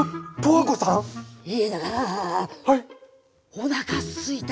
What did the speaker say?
おなかすいた。